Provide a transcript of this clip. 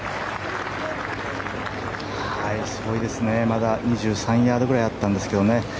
まだ２３ヤードぐらいあったんですけどね。